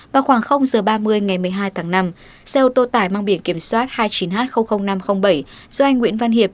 vào khoảng h ba mươi ngày một mươi hai tháng năm xe ô tô tải mang biển kiểm soát hai mươi chín h năm trăm linh bảy do anh nguyễn văn hiệp